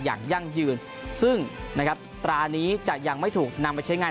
อย่างยั่งยืนซึ่งตรานี้จะยังไม่ถูกนำไปใช้งาน